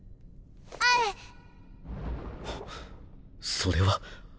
それは。